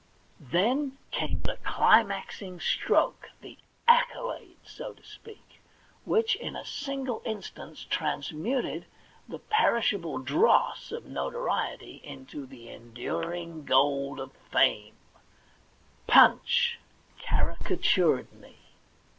Then came the climaxing stroke — the accolade, so to speak — which in a single instance transmuted the perishable dross of notoriety into the enduring gold of fame :* Punch ' caricatured me